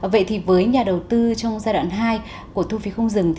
vậy thì với nhà đầu tư trong giai đoạn hai của thu phí không dừng